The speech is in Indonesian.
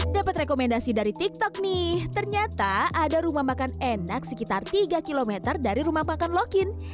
dapat rekomendasi dari tiktok nih ternyata ada rumah makan enak sekitar tiga km dari rumah makan lokin